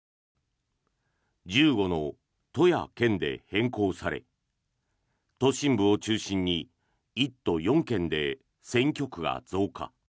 １５の都や県で変更され都心部を中心に１都４県で選挙区が増加。